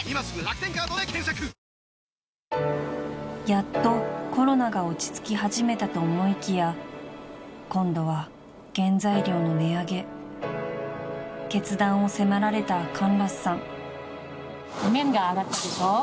［やっとコロナが落ち着き始めたと思いきや今度は原材料の値上げ］［決断を迫られたカンラスさん］